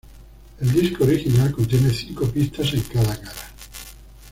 El disco original contiene cinco pistas en cada cara.